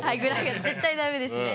絶対ダメですね。